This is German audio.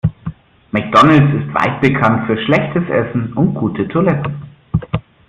McDonald's ist weit bekannt für schlechtes Essen und gute Toiletten.